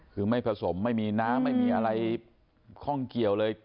คือไม่ผสมไม่มีน้ำไม่มีอะไรข้องเกี่ยวเลย